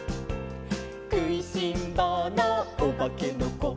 「くいしんぼうのおばけのこ」